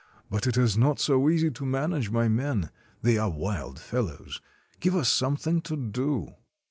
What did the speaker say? But it is not so easy to manage my men ; they are wild fellows. Give us something to do."